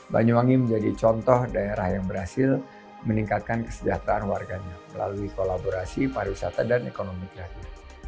banyuwangi menjadi contoh daerah yang berhasil meningkatkan kesejahteraan warganya melalui kolaborasi pariwisata dan ekonomi kreatif